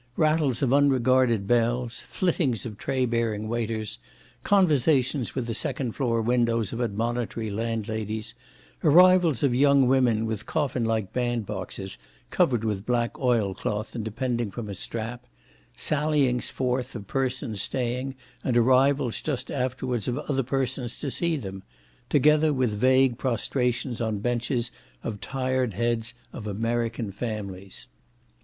rattles of unregarded bells, flittings of tray bearing waiters, conversations with the second floor windows of admonitory landladies, arrivals of young women with coffinlike bandboxes covered with black oil cloth and depending from a strap, sallyings forth of persons staying and arrivals just afterwards of other persons to see them; together with vague prostrations on benches of tired heads of American families.